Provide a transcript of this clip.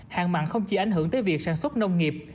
hạn mặn không chỉ ảnh hưởng tới việc sản xuất nông nghiệp